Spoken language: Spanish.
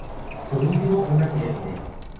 Por último, una pirámide.